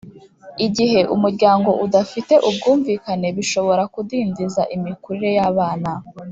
Igihe umuryango udafite ubwumvikane bishobora kudindiza imikurire yabana